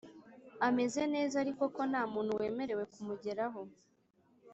ameze neza ariko ko nta muntu wemerewe kumugeraho